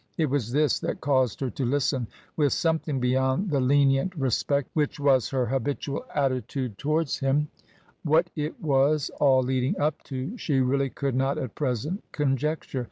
It was this that caused her to listen with something beyond the lenient respect which was her habitual attitude towards TRANSITION. 31 him. What it was all leading up to she really could not at present conjecture.